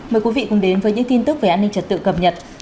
mời quý vị cùng đến với những tin tức về an ninh trật tự cập nhật